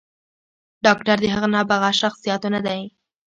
“ډاکتر د هغه نابغه شخصياتو نه دے